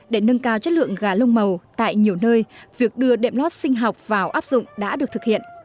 để nâng cao chất lượng gà lông màu tại nhiều nơi việc đưa đệm lót sinh học vào áp dụng đã được thực hiện